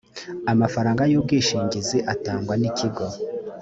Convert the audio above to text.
amafaranga y ubwishingizi atangwa n ikigo